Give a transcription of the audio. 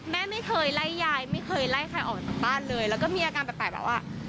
แม่ไม่เคยไล่ยายไม่เคยไล่ใครออกจากบ้านเลยแล้วก็มีอาการแปลกแบบว่า